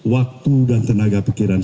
waktu dan tenaga pikiran